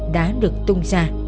đã được tung ra